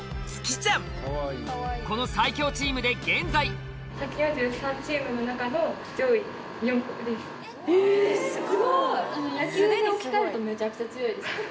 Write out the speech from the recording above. この最強チームで現在すごい！